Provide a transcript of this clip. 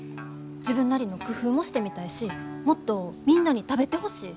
自分なりの工夫もしてみたいしもっとみんなに食べてほしい。